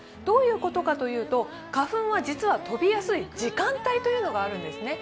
どういうことかというと、花粉は実は飛びやすい時間帯があります。